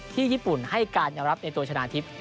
ที่ญี่ปุ่นให้การยอมรับในตัวชนะทิพย์